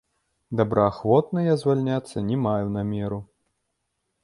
Добраахвотна я звальняцца не маю намеру.